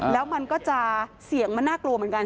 แล้วมันก็จะเสียงมันน่ากลัวเหมือนกัน